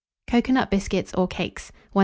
COCOA NUT BISCUITS OR CAKES. 1740.